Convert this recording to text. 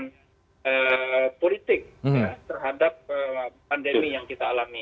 politik terhadap pandemi yang kita alami